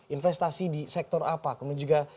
investasi di sektor apa